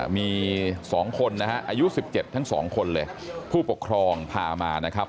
มี๒คนนะฮะอายุ๑๗ทั้ง๒คนเลยผู้ปกครองพามานะครับ